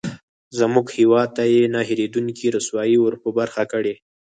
زموږ هېواد ته یې نه هېرېدونکې رسوایي ورپه برخه کړې.